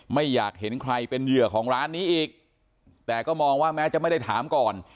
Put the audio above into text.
ไม่อยากเห็นใครเป็นเหยื่อของร้านนี้อีกแต่ก็มองว่าแม้จะไม่ได้ถามก่อน